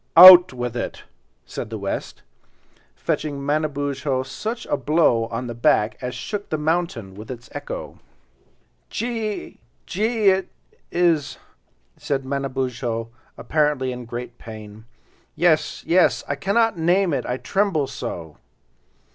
"Out with it," said the West, fetching Manabozho such a blow on the back as shook the mountain with its echo. "Je ee, je ee—it is," said Manabozho, apparently in great pain. "Yes, yes! I cannot name it, I tremble so."